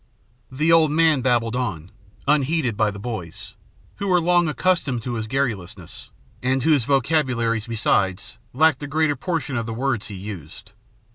The old man babbled on, unheeded by the boys, who were long accustomed to his garrulousness, and whose vocabularies, besides, lacked the greater portion of the words he used.